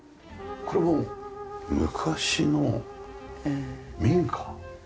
これもう昔の民家？